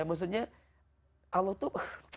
maksudnya allah tuh